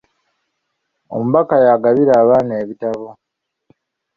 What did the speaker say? Omubaka yagabira abaana ebitabo.